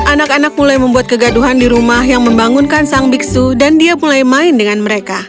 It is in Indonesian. anak anak mulai membuat kegaduhan di rumah yang membangunkan sang biksu dan dia mulai main dengan mereka